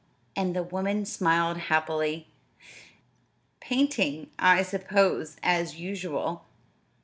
And the woman smiled happily. "Painting, I suppose, as usual."